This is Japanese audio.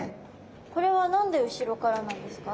これは何で後ろからなんですか？